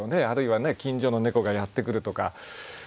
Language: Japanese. あるいはね近所の猫がやって来るとか。